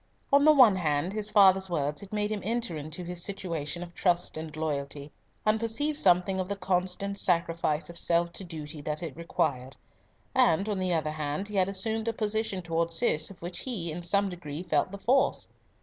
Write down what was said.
On the one hand, his father's words had made him enter into his situation of trust and loyalty, and perceive something of the constant sacrifice of self to duty that it required, and, on the other hand, he had assumed a position towards Cis of which he in some degree felt the force.